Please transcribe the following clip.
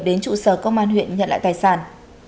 đến trụ sở công an huyện nhận lại tài sản